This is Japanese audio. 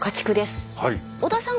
織田さん